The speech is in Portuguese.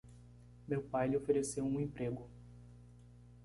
Meu pai lhe ofereceu um emprego.